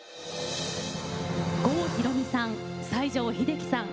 郷ひろみさん、西城秀樹さん